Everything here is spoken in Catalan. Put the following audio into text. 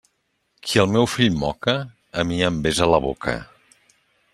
Qui el meu fill moca, a mi em besa la boca.